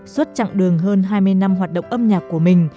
suốt chặng đường hơn hai mươi năm hoạt động âm nhạc của mình